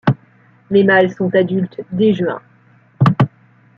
Les mâles sont adultes dès juin.